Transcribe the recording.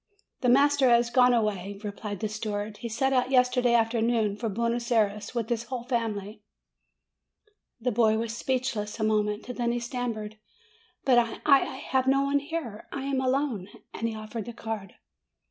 'The master has gone away," replied the steward; "he set out yesterday afternoon for Buenos Ay res, with his whole family." The boy was speechless a moment. Then he stammered, "But I I have no one here ! I am alone !" and he offered the card.